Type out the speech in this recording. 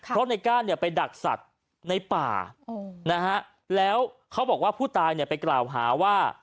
เพราะในก้านเนี่ยไปดักสัตว์ในป่านะฮะแล้วเขาบอกว่าผู้ตายเนี่ยไปกล่าวหาว่า